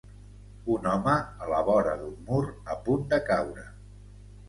Un home a la vora d'un mur a punt de caure.